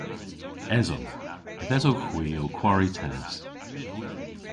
Esowgh. Yth esowgh hwi ow kwari tennis.